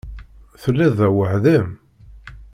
Telliḍ da weḥd-m?